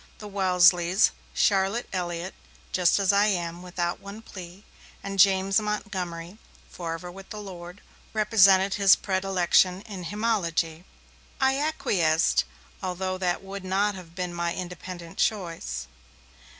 The Wesleys, Charlotte Elliott ('Just as I am, without one plea'), and James Montgomery ('Forever with the Lord') represented his predilection in hymnology. I acquiesced, although that would not have been my independent choice.